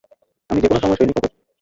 আমি যেকোন সময় সৈনিক হবো।